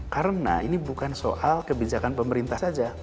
karena ini bukan soal kebijakan pemerintah saja